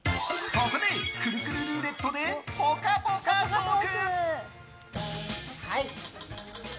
ここで、くるくるルーレットでぽかぽかトーク！